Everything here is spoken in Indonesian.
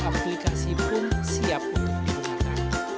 aplikasi goes pun siap untuk dibuka